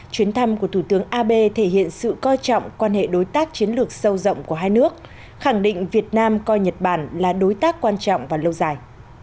chuyến thăm của thủ tướng abe thể hiện sự coi trọng quan hệ đối tác chiến lược sâu rộng của hai nước khẳng định việt nam coi nhật bản là đối tác quan trọng và lâu dài